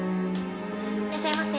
いらっしゃいませ。